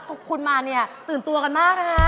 คุณมาเนี่ยตื่นตัวกันมากนะคะ